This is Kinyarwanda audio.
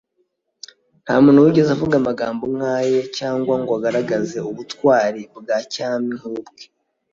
Nta muntu wigeze avuga amagambo nk’aye cyangwa ngo agaragaze ubutware bwa cyami nk’ubwe.